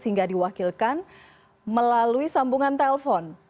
sehingga diwakilkan melalui sambungan telpon